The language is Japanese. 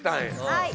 はい。